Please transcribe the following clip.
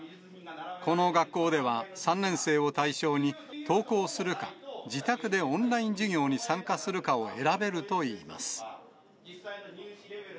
この学校では、３年生を対象に、登校するか、自宅でオンライン授業に参加するかを選べるといいます。